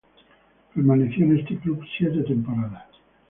Permaneció en este club siete temporadas.